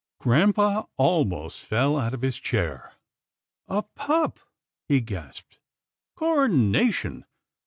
Grampa almost fell out of his chair. " A pup," he gasped, " Coronation